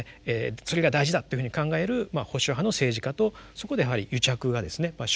それが大事だっていうふうに考える保守派の政治家とそこでやはり癒着がですね生じやすい。